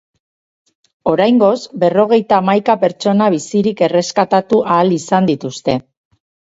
Oraingoz, berrogeita hamaika pertsona bizirik erreskatatu ahal izan dituzte.